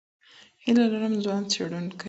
هیله لرم ځوان څېړونکي